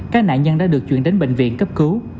các nạn nhân đã được chuyển đến bệnh viện cấp cứu